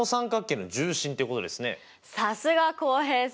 さすが浩平さん！